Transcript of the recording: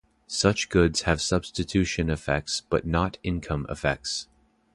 Such goods have substitution effects but not income effects.